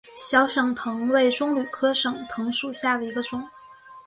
小省藤为棕榈科省藤属下的一个种。